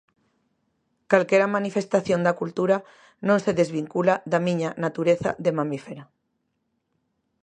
Calquera manifestación da cultura non se desvincula da miña natureza de mamífera.